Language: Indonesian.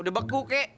udah beku kek